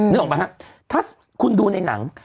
นึกออกไหมฮะถ้าคุณดูในหนัง